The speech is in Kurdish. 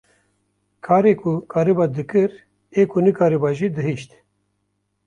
Karê ku kariba dikir ê ku nekariba jî dihişt.